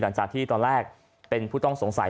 หลังจากที่ตอนแรกเป็นผู้ต้องสงสัย